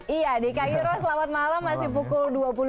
iya di cairo selamat malam masih pukul dua puluh dua sembilan